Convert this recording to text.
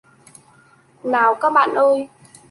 Nào các bạn ơi